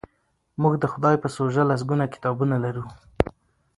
موږ د خدای په سوژه لسګونه کتابونه لرو.